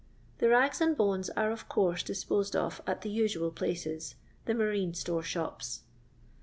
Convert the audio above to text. The rags and bones are of course dis posed of at the usual places — the marine store shops.